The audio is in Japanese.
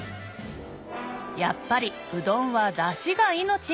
やっぱりうどんは出汁が命！